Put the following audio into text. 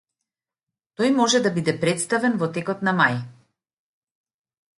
Тој може да биде претставен во текот на мај